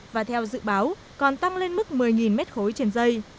và theo dự báo còn tăng lên mức một mươi mét khối trên dây